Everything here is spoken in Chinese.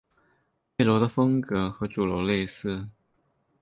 配楼的风格和主楼类似。